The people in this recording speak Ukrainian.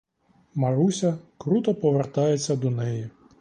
Маруся круто повертається до неї.